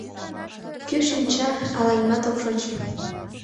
Кӧ шинча, ала нимат ок шоч.